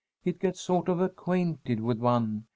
It gets sort of acquainted with one.